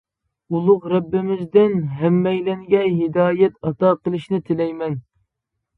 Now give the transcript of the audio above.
ئۇلۇغ رەببىمىزدىن ھەممەيلەنگە ھىدايەت ئاتا قىلىشىنى تىلەيمەن!